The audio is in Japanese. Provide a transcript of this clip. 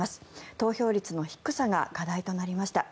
投票率の低さが課題となりました。